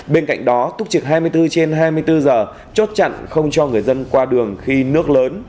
bên cạnh đó túc trực hai mươi bốn trên hai mươi bốn giờ chốt chặn không cho người dân qua đường khi nước lớn